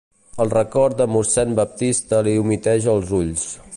El record de mossèn Baptista li humiteja els ulls.